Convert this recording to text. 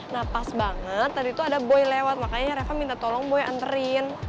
nah pas banget tadi tuh ada boy lewat makanya reva minta tolong boy anterin